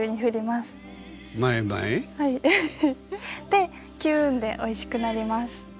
でキューンでおいしくなります。